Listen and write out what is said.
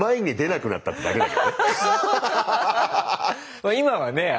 まあ今はね